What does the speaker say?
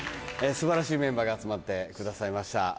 素晴らしいメンバーが集まってくださいました。